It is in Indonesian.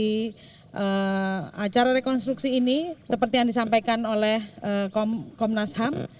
richard eliezer bisa hadir di acara rekonstruksi ini seperti yang disampaikan oleh komnas ham